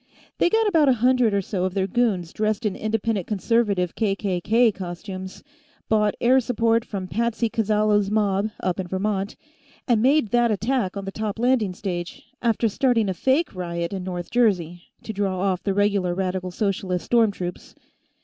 They got about a hundred or so of their goons dressed in Independent Conservative KKK costumes, bought air support from Patsy Callazo's mob, up in Vermont, and made that attack on the top landing stage, after starting a fake riot in North Jersey, to draw off the regular Radical Socialist storm troops.